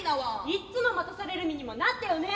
「いつも待たされる身にもなってよね」。